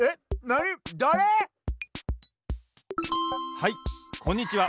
はいこんにちは！